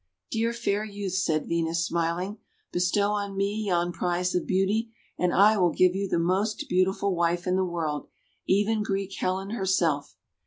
'3 "Dear, fair Youth," said Venus, smiling, "be stow on me yon prize of Beauty; and I will give you the most beautiful wife in the world, even Greek Helen herself.